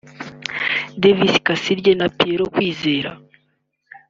Davis Kasirye na Pierrot Kwizera